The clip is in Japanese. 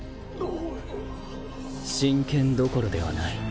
真剣どころではない